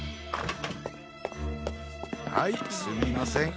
はいすみません。